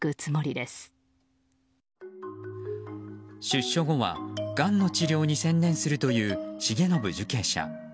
出所後は、がんの治療に専念するという重信受刑者。